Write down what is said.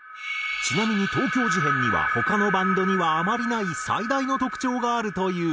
ちなみに東京事変には他のバンドにはあまりない最大の特徴があるという。